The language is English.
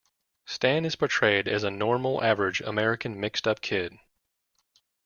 Stan is portrayed as "a normal, average, American, mixed-up kid".